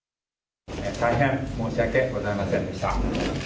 大変申しわけございませんでした。